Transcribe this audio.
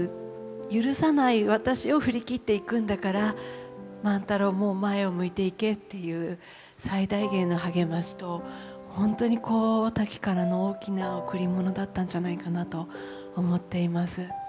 許さない私を振り切っていくんだから万太郎も前を向いていけっていう最大限の励ましと本当にタキからの大きな贈り物だったんじゃないかなと思っています。